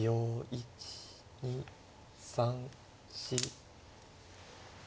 １２３４。